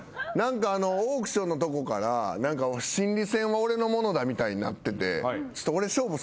オークションのとこから心理戦は俺のものだみたいなってて。